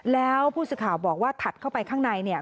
แล้วผู้สื่อข่าวบอกว่าถัดเข้าไปข้างในเนี่ย